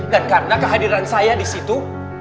dan karena kehadiran saya di situ